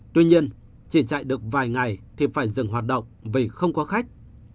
tuy nhiên chỉ chạy được vài ngày thì phải dừng hoạt động vì không có khách